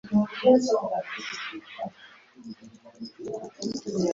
Tandika okukola ku bintu by'olootako.